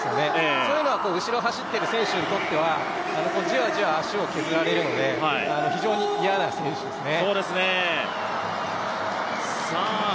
そういうのは後ろを走っている選手にとってはじわじわ足を削られるので、非常に嫌な選手ですね。